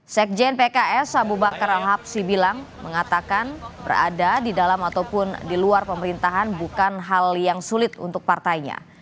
sekjen pks abu bakar al hab sibilang mengatakan berada di dalam ataupun di luar pemerintahan bukan hal yang sulit untuk partainya